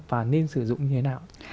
và nên sử dụng như thế nào